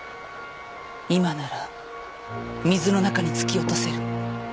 今なら水の中に突き落とせる。